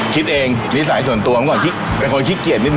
คิดเองนิสัยส่วนตัวเมื่อก่อนเป็นคนขี้เกียจนิดน